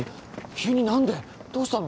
急に何でどうしたの？